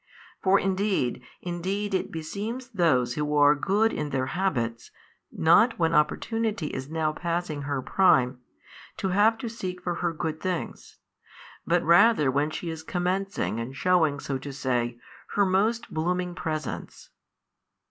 For indeed, indeed it beseems those who are good in their habits, not when opportunity is now passing her prime, to have to seek for her good things, but rather when she is commencing and shewing so to say, her most blooming presence.